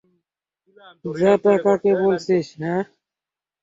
যা তা কাকে বলেছিস, হ্যাঁ?